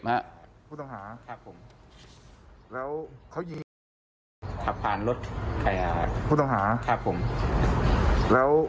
ผู้ต่างหาครับผมแล้วเขายิงผ่านรถผู้ต่างหาครับผมแล้ว